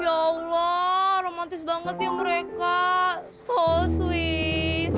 ya allah romantis banget ya mereka so sweet